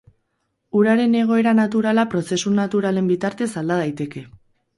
Uraren egoera naturala prozesu naturalen bitartez alda daiteke.